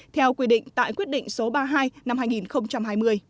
theo quy định tại quyết định số ba mươi hai năm hai nghìn hai mươi